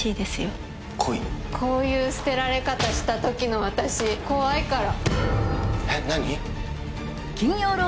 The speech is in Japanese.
こういう捨てられ方した時の私怖いから。